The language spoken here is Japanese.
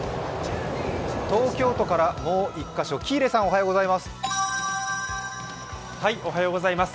東京都からもう１カ所、喜入さん、お願いします。